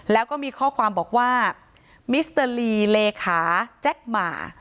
แล้วก็มีข้อความบอกว่ามิสเตอร์ลีเลขาแจ็คหมา